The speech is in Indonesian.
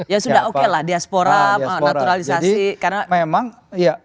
ya sudah oke lah diaspora naturalisasi